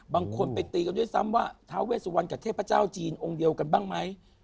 บางคนไปตีกันด้วยซ้ำว่าท้าเวสุวรรณกับเทพเจ้าจีนองค์เดียวกันบ้างไหม